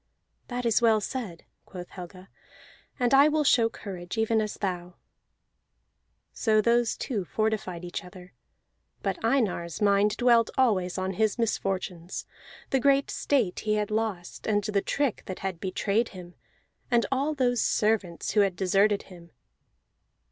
"That is well said," quoth Helga, "and I will show courage, even as thou." So those two fortified each other; but Einar's mind dwelt always on his misfortunes: the great state he had lost, and the trick that had betrayed him, and all those servants who had deserted him.